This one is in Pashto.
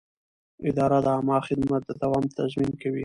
اداره د عامه خدمت د دوام تضمین کوي.